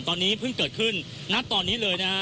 ตอนนี้เพิ่งเกิดขึ้นณตอนนี้เลยนะฮะ